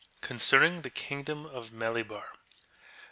Concerning thk Kingdom ok MKLinAR.